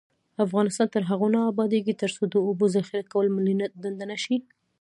افغانستان تر هغو نه ابادیږي، ترڅو د اوبو ذخیره کول ملي دنده نشي.